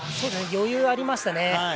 余裕ありましたね。